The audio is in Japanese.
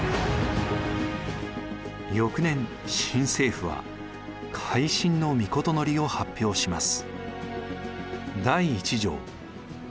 翌年新政府は「改新の詔」を発表します。